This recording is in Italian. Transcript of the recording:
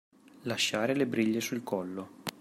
Lasciare le briglie sul collo.